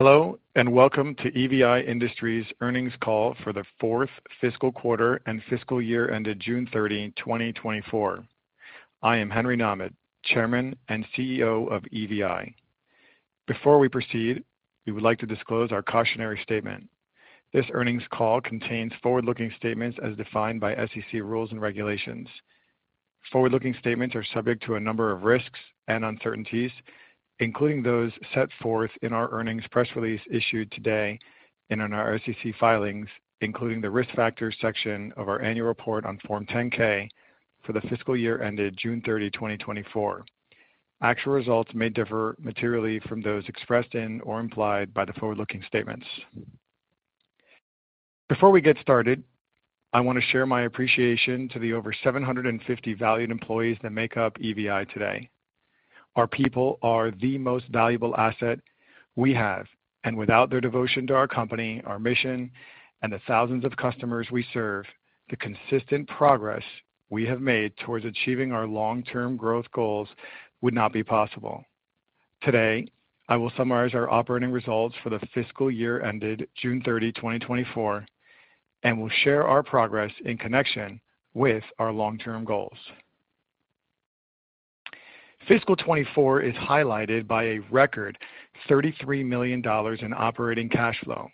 Hello, and welcome to EVI Industries' earnings call for the fourth fiscal quarter and fiscal year ended June thirty, twenty twenty-four. I am Henry Nahmad, Chairman and CEO of EVI. Before we proceed, we would like to disclose our cautionary statement. This earnings call contains forward-looking statements as defined by SEC rules and regulations. Forward-looking statements are subject to a number of risks and uncertainties, including those set forth in our earnings press release issued today and in our SEC filings, including the Risk Factors section of our annual report on Form 10-K for the fiscal year ended June thirty, twenty twenty-four. Actual results may differ materially from those expressed in or implied by the forward-looking statements. Before we get started, I want to share my appreciation to the over 750 valued employees that make up EVI today. Our people are the most valuable asset we have, and without their devotion to our company, our mission, and the thousands of customers we serve, the consistent progress we have made towards achieving our long-term growth goals would not be possible. Today, I will summarize our operating results for the fiscal year ended June 30, 2024, and will share our progress in connection with our long-term goals. Fiscal 2024 is highlighted by a record $33 million in operating cash flow,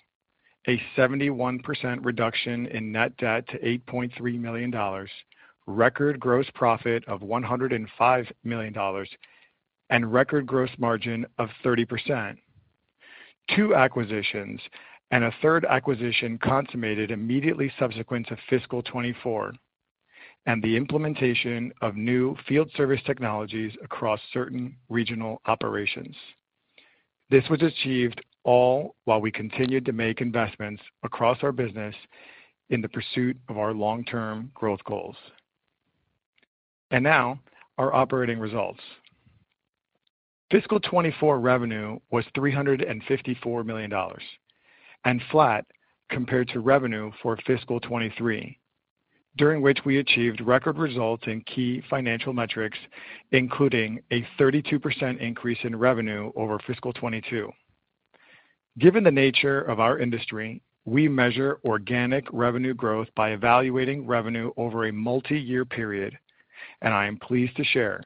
a 71% reduction in net debt to $8.3 million, record gross profit of $105 million, and record gross margin of 30%. Two acquisitions and a third acquisition consummated immediately subsequent to fiscal 2024, and the implementation of new field service technologies across certain regional operations. This was achieved all while we continued to make investments across our business in the pursuit of our long-term growth goals. Now, our operating results. Fiscal 2024 revenue was $354 million and flat compared to revenue for fiscal 2023, during which we achieved record results in key financial metrics, including a 32% increase in revenue over fiscal 2022. Given the nature of our industry, we measure organic revenue growth by evaluating revenue over a multi-year period, and I am pleased to share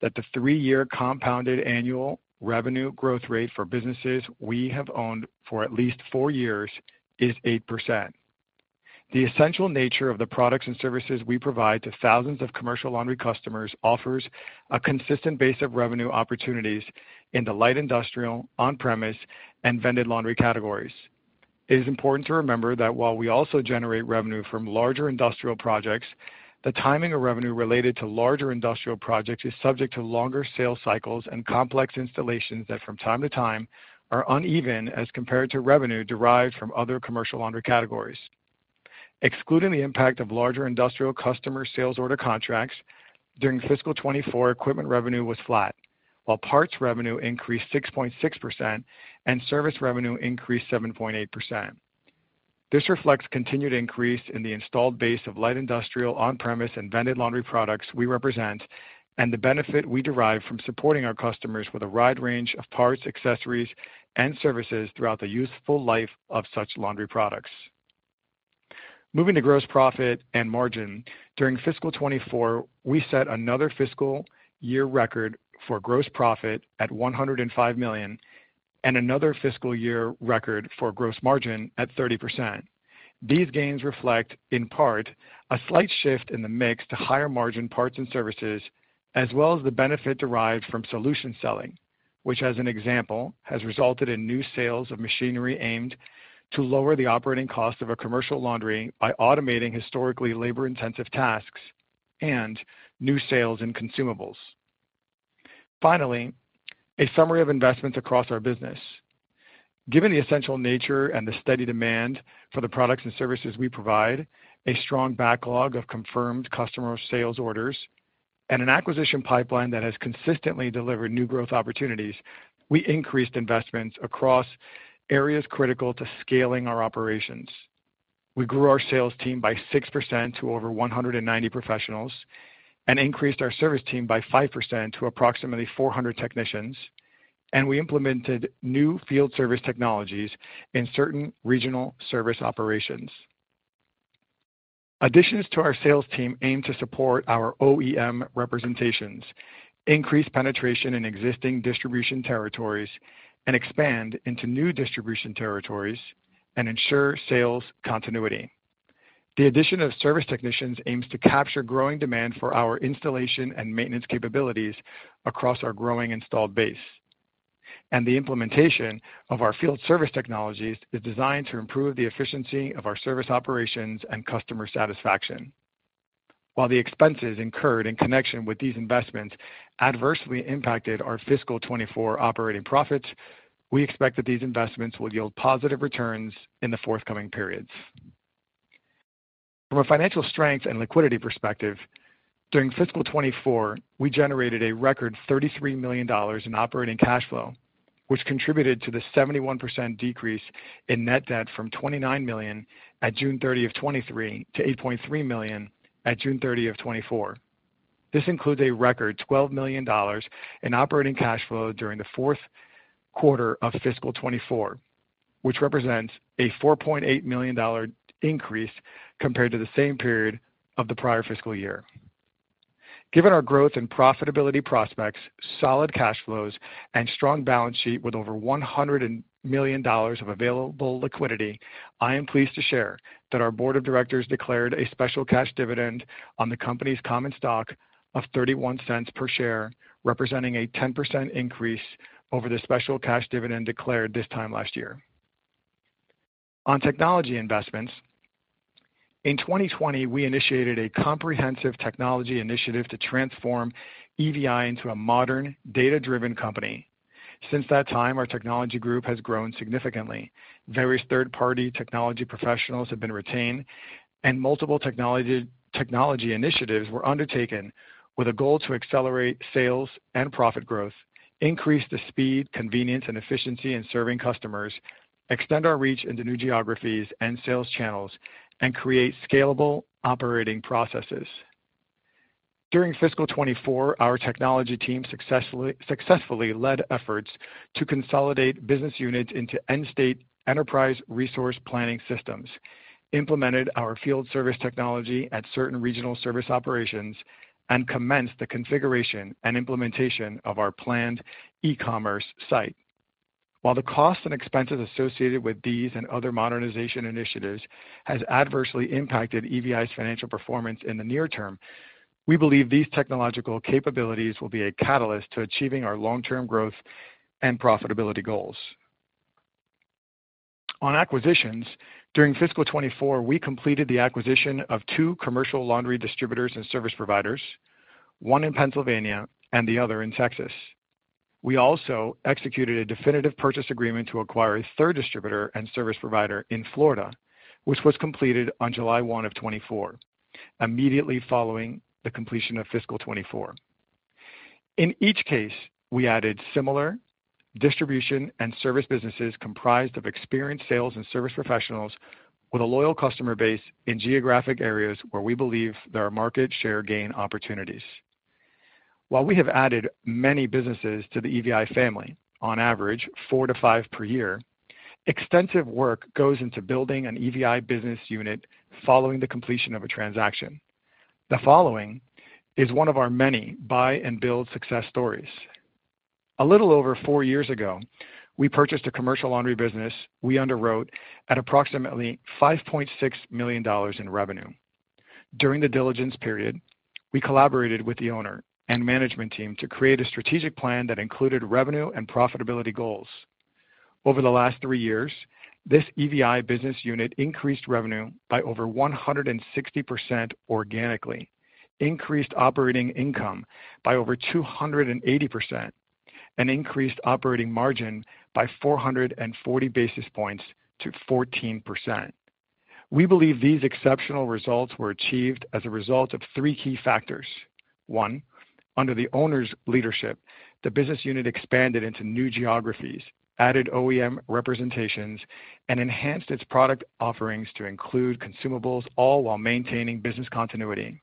that the three-year compounded annual revenue growth rate for businesses we have owned for at least four years is 8%. The essential nature of the products and services we provide to thousands of commercial laundry customers offers a consistent base of revenue opportunities in the light industrial, on-premise, and vended laundry categories. It is important to remember that while we also generate revenue from larger industrial projects, the timing of revenue related to larger industrial projects is subject to longer sales cycles and complex installations that, from time to time, are uneven as compared to revenue derived from other commercial laundry categories. Excluding the impact of larger industrial customer sales order contracts, during fiscal 2024, equipment revenue was flat, while parts revenue increased 6.6% and service revenue increased 7.8%. This reflects continued increase in the installed base of light industrial, on-premise, and vended laundry products we represent, and the benefit we derive from supporting our customers with a wide range of parts, accessories, and services throughout the useful life of such laundry products. Moving to gross profit and margin. During fiscal 2024, we set another fiscal year record for gross profit at $105 million and another fiscal year record for gross margin at 30%. These gains reflect, in part, a slight shift in the mix to higher-margin parts and services, as well as the benefit derived from solution selling, which, as an example, has resulted in new sales of machinery aimed to lower the operating cost of a commercial laundry by automating historically labor-intensive tasks and new sales and consumables. Finally, a summary of investments across our business. Given the essential nature and the steady demand for the products and services we provide, a strong backlog of confirmed customer sales orders, and an acquisition pipeline that has consistently delivered new growth opportunities, we increased investments across areas critical to scaling our operations. We grew our sales team by 6% to over 190 professionals and increased our service team by 5% to approximately 400 technicians, and we implemented new field service technologies in certain regional service operations. Additions to our sales team aim to support our OEM representations, increase penetration in existing distribution territories, and expand into new distribution territories and ensure sales continuity. The addition of service technicians aims to capture growing demand for our installation and maintenance capabilities across our growing installed base, and the implementation of our field service technologies is designed to improve the efficiency of our service operations and customer satisfaction. While the expenses incurred in connection with these investments adversely impacted our fiscal 2024 operating profits, we expect that these investments will yield positive returns in the forthcoming periods. From a financial strength and liquidity perspective, during fiscal 2024, we generated a record $33 million in operating cash flow, which contributed to the 71% decrease in net debt from $29 million at June 30 of 2023 to $8.3 million at June 30 of 2024. This includes a record $12 million in operating cash flow during the fourth quarter of fiscal 2024, which represents a $4.8 million increase compared to the same period of the prior fiscal year. Given our growth and profitability prospects, solid cash flows, and strong balance sheet with over $100 million of available liquidity, I am pleased to share that our board of directors declared a special cash dividend on the company's common stock of $0.31 per share, representing a 10% increase over the special cash dividend declared this time last year. On technology investments, in 2020, we initiated a comprehensive technology initiative to transform EVI into a modern, data-driven company. Since that time, our technology group has grown significantly. Various third-party technology professionals have been retained, and multiple technology initiatives were undertaken with a goal to accelerate sales and profit growth, increase the speed, convenience, and efficiency in serving customers, extend our reach into new geographies and sales channels, and create scalable operating processes. During fiscal 2024, our technology team successfully led efforts to consolidate business units into end-state enterprise resource planning systems, implemented our field service technology at certain regional service operations, and commenced the configuration and implementation of our planned e-commerce site. While the costs and expenses associated with these and other modernization initiatives has adversely impacted EVI's financial performance in the near term, we believe these technological capabilities will be a catalyst to achieving our long-term growth and profitability goals. On acquisitions, during fiscal 2024, we completed the acquisition of two commercial laundry distributors and service providers, one in Pennsylvania and the other in Texas. We also executed a definitive purchase agreement to acquire a third distributor and service provider in Florida, which was completed on July one of 2024, immediately following the completion of fiscal 2024. In each case, we added similar distribution and service businesses comprised of experienced sales and service professionals with a loyal customer base in geographic areas where we believe there are market share gain opportunities. While we have added many businesses to the EVI family, on average, four to five per year, extensive work goes into building an EVI business unit following the completion of a transaction. The following is one of our many buy-and-build success stories. A little over four years ago, we purchased a commercial laundry business we underwrote at approximately $5.6 million in revenue. During the diligence period, we collaborated with the owner and management team to create a strategic plan that included revenue and profitability goals. Over the last three years, this EVI business unit increased revenue by over 160% organically, increased operating income by over 280%, and increased operating margin by 440 basis points to 14%. We believe these exceptional results were achieved as a result of three key factors. One, under the owner's leadership, the business unit expanded into new geographies, added OEM representations, and enhanced its product offerings to include consumables, all while maintaining business continuity.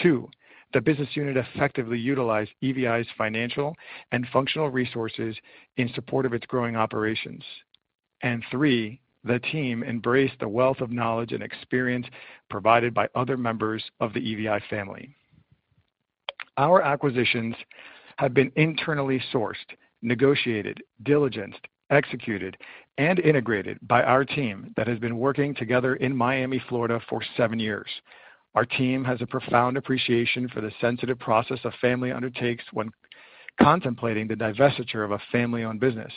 Two, the business unit effectively utilized EVI's financial and functional resources in support of its growing operations. And three, the team embraced the wealth of knowledge and experience provided by other members of the EVI family. Our acquisitions have been internally sourced, negotiated, diligenced, executed, and integrated by our team that has been working together in Miami, Florida, for seven years. Our team has a profound appreciation for the sensitive process a family undertakes when contemplating the divestiture of a family-owned business.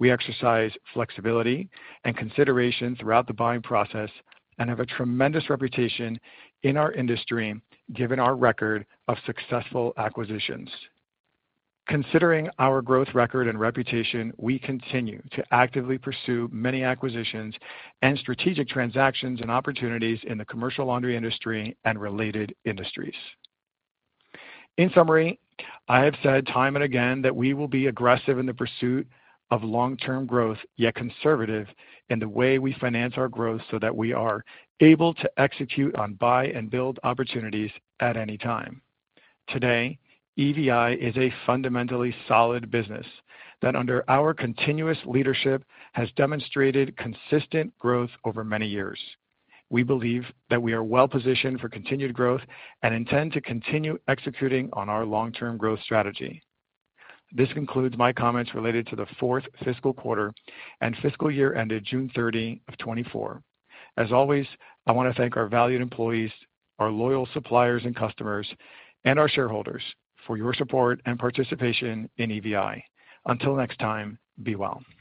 We exercise flexibility and consideration throughout the buying process and have a tremendous reputation in our industry, given our record of successful acquisitions. Considering our growth record and reputation, we continue to actively pursue many acquisitions and strategic transactions and opportunities in the commercial laundry industry and related industries. In summary, I have said time and again that we will be aggressive in the pursuit of long-term growth, yet conservative in the way we finance our growth, so that we are able to execute on buy-and-build opportunities at any time. Today, EVI is a fundamentally solid business that, under our continuous leadership, has demonstrated consistent growth over many years. We believe that we are well positioned for continued growth and intend to continue executing on our long-term growth strategy. This concludes my comments related to the fourth fiscal quarter and fiscal year ended June 30 of 2024. As always, I want to thank our valued employees, our loyal suppliers and customers, and our shareholders for your support and participation in EVI. Until next time, be well.